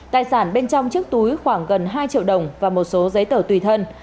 tài sản bên trong chiếc túi khoảng gần hai triệu đồng và một số giấy tờ tùy thân